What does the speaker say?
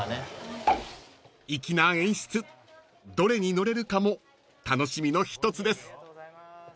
［粋な演出どれに乗れるかも楽しみの一つです］